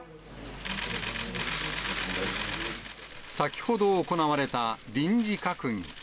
先ほど行われた臨時閣議。